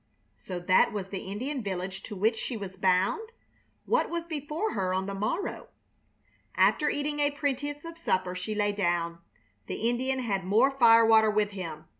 So that was the Indian village to which she was bound? What was before her on the morrow? After eating a pretense of supper she lay down. The Indian had more firewater with him.